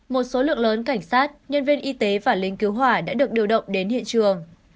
một số lượng lớn cảnh sát nhân viên y tế và lính cứu hỏa đã được điều động đến hiện trường